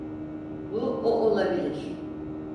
Bu o olabilir.